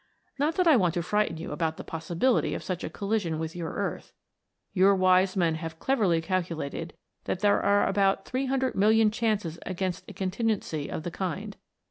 Not that I want to frighten you about the possibility of such a collision with your earth ; your wise men have cleverly calculated that there are about 300,000,000 chances against a contingency of the kind.